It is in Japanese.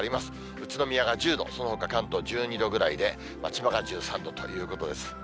宇都宮が１０度、そのほか関東１２度ぐらいで、千葉が１３度ということです。